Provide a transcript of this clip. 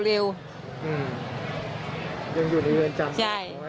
ยังอยู่ในเรือนจำ